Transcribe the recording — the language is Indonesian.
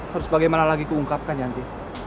harus bagaimana lagi kuungkapkan janji